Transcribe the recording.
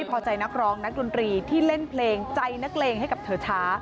พอใจนักร้องนักดนตรีที่เล่นเพลงใจนักเลงให้กับเธอช้า